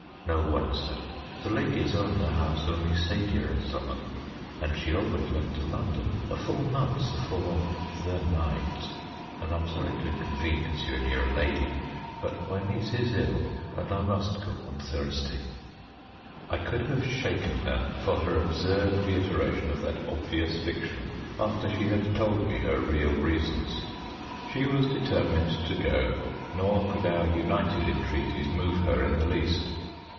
"No one, sir; the lady as owned the house only stayed here in summer, and she always went to London a full month afore the night. And I'm sorry to inconvenience you and your lady, but my niece is ill and I must go on Thursday." I could have shaken her for her absurd reiteration of that obvious fiction, after she had told me her real reasons. She was determined to go, nor could our united entreaties move her in the least.